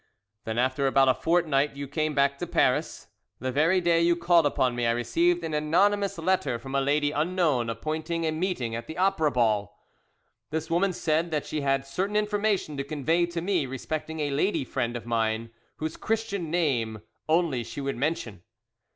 "Then, after about a fortnight, you came back to Paris. The very day you called upon me I received an anonymous letter from a lady unknown appointing a meeting at the Opera Ball. "This woman said that she had certain information to convey to me respecting a lady friend of mine, whose Christian name only she would mention.